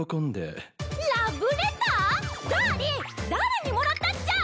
ダーリン誰にもらったっちゃ！？